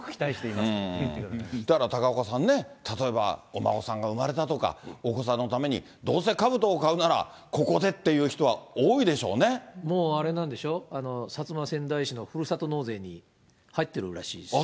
だから高岡さんね、例えばお孫さんが産まれたとか、お子さんのために、どうせかぶとを買うならここでっていう人は多もうあれなんでしょう、薩摩川内市のふるさと納税に入ってるらしいですね。